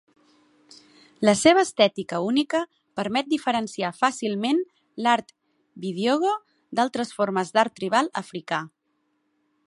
La seva estètica única permet diferenciar fàcilment l'art bidyogo d'altres formes d'art tribal africà.